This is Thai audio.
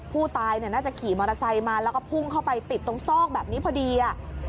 ผู้ตายน่าจะขี่มอเตอร์ไซค์มาแล้วก็พุ่งเข้าไปติดตรงซอกแบบนี้พอดี